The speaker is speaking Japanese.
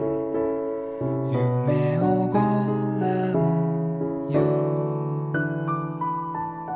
「夢をごらんよ」